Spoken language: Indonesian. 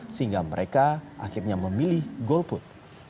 sehingga mereka akhirnya memilih golput